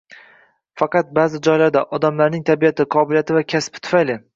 Faqat ba’zi joylarda, odamlarning tabiati, qobiliyati va kasbi tufayli